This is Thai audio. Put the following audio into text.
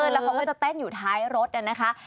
แล้วเขาก็จะเต้นอยู่ท้ายรถนะคะ